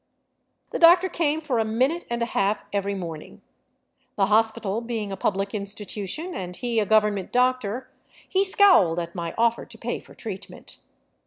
The doctor came for a minute and a half every morning. The hos pital being a public institution and he a government doctor, he scowled at my offer to pay for treatment.